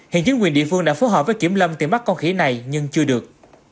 hiện chứng quyền địa phương đã phối hợp với kiểm lâm tìm mắt con khỉ này nhưng chưa được